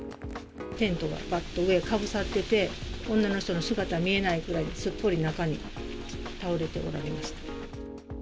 テントがばっと上かぶさってて、女の人の姿見えないくらい、すっぽり中に倒れておられました。